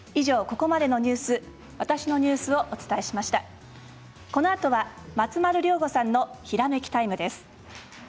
このあとは松丸亮吾さんのひらめきタイムです。